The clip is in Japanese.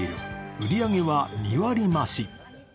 売り上げは２割増し。